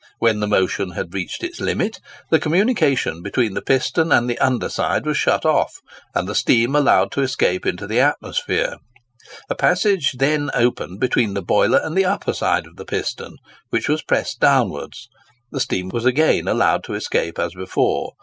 When the motion had reached its limit, the communication between the piston and the under side was shut off, and the steam allowed to escape into the atmosphere. A passage being then opened between the boiler and the upper side of the piston, which was pressed downwards, the steam was again allowed to escape as before.